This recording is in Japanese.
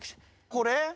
これ？